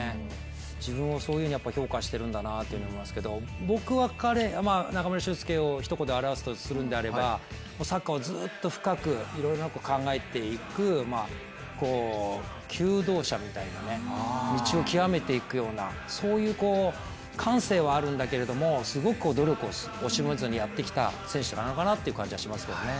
自分をそういうふうに評価しているんだなと思いますけど僕は彼、中村俊輔をひと言で表すんだとすればサッカーをずっと深く、いろいろ考えていく求道者みたいな、道を究めていくような、そういう感性はあるんだけども、すごく努力を惜しまずにやってきた選手なのかなっていう感じはしますけどね。